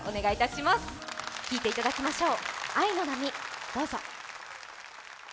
聴いていただきましょう。